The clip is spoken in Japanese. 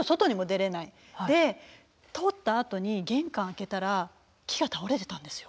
で通ったあとに玄関開けたら木が倒れてたんですよ。